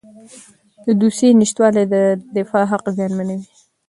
د دوسیې نشتوالی د دفاع حق زیانمنوي.